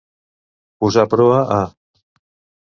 Posar proa a.